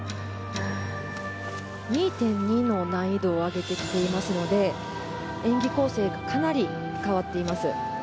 ２．２も難易度を上げてきていますので演技構成がかなり変わっています。